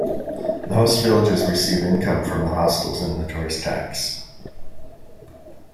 The host villages receive income from the hostels and the tourist tax.